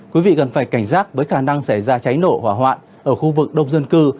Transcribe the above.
quý vị cần phải cảnh giác với khả năng xảy ra cháy nổ hỏa hoạn ở khu vực đông dân cư